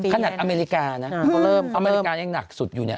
อเมริกานะอเมริกายังหนักสุดอยู่เนี่ย